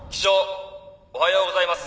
おはようございます。